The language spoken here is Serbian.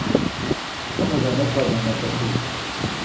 Само да не падне нека тужба!